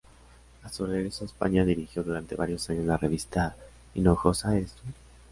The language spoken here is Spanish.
A su regreso a España, dirigió durante varios años la revista "Hinojosa eres tú".